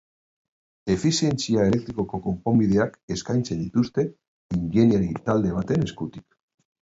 Efizientia elektrikoko konponbideak eskaintzen dituzte ingeniari talde baten eskutik.